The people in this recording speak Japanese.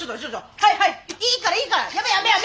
はいはいいいからいいからやめやめやめ！